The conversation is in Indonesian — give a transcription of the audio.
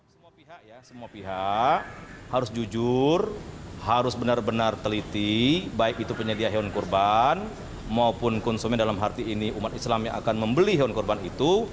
semua pihak ya semua pihak harus jujur harus benar benar teliti baik itu penyedia hewan kurban maupun konsumen dalam arti ini umat islam yang akan membeli hewan kurban itu